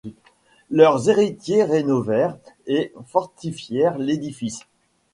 Leurs héritiers rénovèrent et fortifièrent l'édifice.